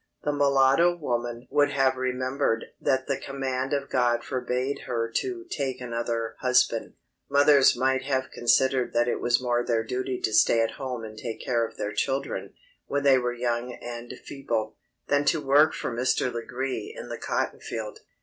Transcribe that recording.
The mulatto woman would have remembered that the command of God forbade her to take another husband. Mothers might have considered that it was more their duty to stay at home and take care of their children, when they were young and feeble, than to work for Mr. Legree in the cotton field.